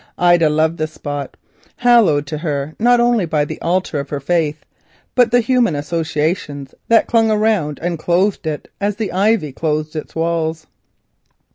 Ida loved the spot, hallowed to her not only by the altar of her faith, but also by the human associations that clung around and clothed it as the ivy clothed its walls.